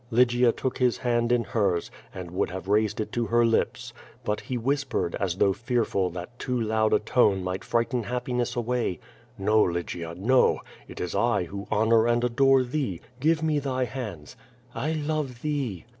Lygia took his hand in hers, and would have raised it to her lips. But he whispered, as though fearful that too loud a tone might frighten happiness away: "No, Lygia — no! It is 1 who honor and adore thee. Give me thv hands." "I love thee."'